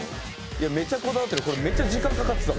いやめっちゃこだわってる。